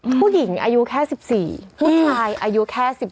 ผู้หญิงอายุแค่๑๔ผู้ชายอายุแค่๑๔